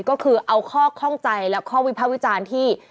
ก็คือเอาข้อข้องใจและข้อวิภาควิจารณ์ที่